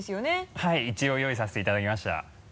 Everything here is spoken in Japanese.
はい一応用意させていただきました。